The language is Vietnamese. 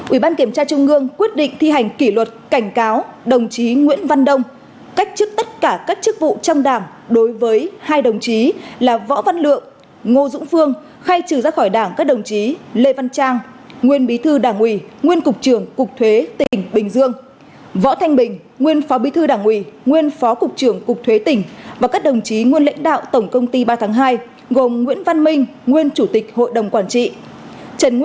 ủy ban kiểm tra trung ương quyết định thi hành kỷ luật cảnh cáo đồng chí nguyễn văn đông cách trước tất cả các chức vụ trong đảng đối với hai đồng chí là võ văn lượng ngô dũng phương khai trừ ra khỏi đảng các đồng chí lê văn trang nguyên bí thư đảng ủy nguyên cục trưởng cục thuế tỉnh bình dương võ thanh bình nguyên phó bí thư đảng ủy nguyên phó cục trưởng cục thuế tỉnh và các đồng chí nguyên lãnh đạo tổng công ty ba tháng hai gồm nguyễn văn minh nguyên chủ tịch hội đồng quản trị trần n